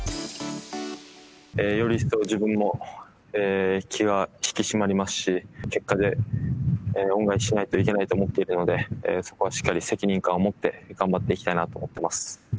より一層自分も気が引き締まりますし、結果で恩返ししないといけないと思っているので、そこはしっかり責任感をもって頑張っていきたいなと思ってます。